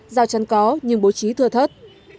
rào chắn có nhưng bố trí thừa thất